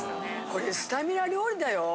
これスタミナ料理だよ。